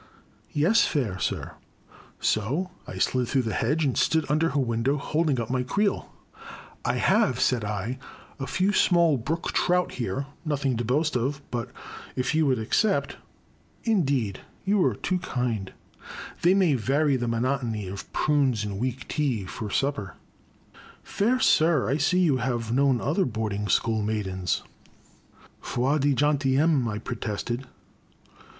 '* Yes, fair sir." So I slid through the hedge and stood under her window holding up my creel. I have," said I, a few small brook trout here — nothing to boast of— but if you would ac cept "Indeed you are too kind "They may vary the monotony of prunes and weak tea for supper "Fair sir, I see you have known other board ing school maidens !" Foi de gentilhomme! " I protested.